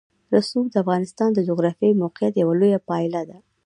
رسوب د افغانستان د جغرافیایي موقیعت یوه لویه پایله ده.